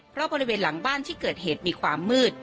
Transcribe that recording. เพราะบริเวณหลังบ้านที่เกิดเหตุมีความมืด